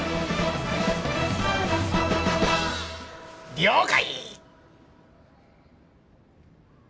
了解！